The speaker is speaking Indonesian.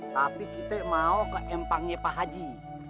tapi kita mau ke empangnya pak haji